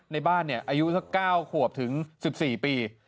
ในบ้านอายุสัก๙ขวบถึง๑๔ปี